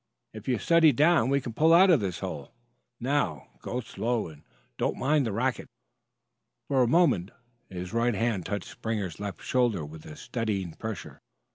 If you'll steady down we can pull out of this hole. Now, go slow, and don't mind the racket." For a moment his right hand touched Springer's left shoulder with a steadying pressure.